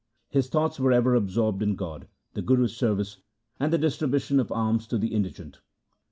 His thoughts were ever absorbed in God, the Guru's service, and the distribution of alms to the indigent.